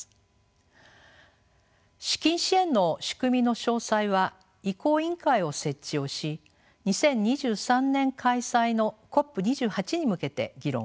資金支援の仕組みの詳細は移行委員会を設置をし２０２３年開催のＣＯＰ２８に向けて議論をします。